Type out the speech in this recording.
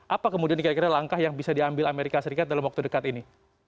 apa kemudian kira kira langkah yang bisa diambil amerika serikat dalam waktu dekat ini